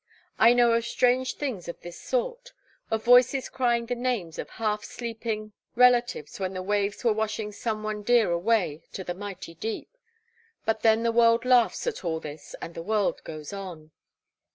I know of strange things of this sort. Of voices crying the names of half sleeping relatives when the waves were washing some one dear away to the mighty deep; but then the world laughs at all this and the world goes on.'